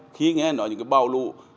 khi nghe nói những cái bài hát này